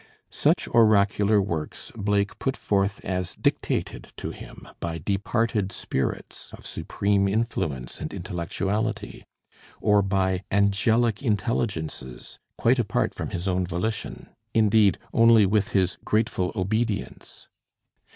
Such oracular works Blake put forth as dictated to him by departed spirits of supreme influence and intellectuality, or by angelic intelligences, quite apart from his own volition; indeed, only with his "grateful obedience."